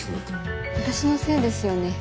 私のせいですよね。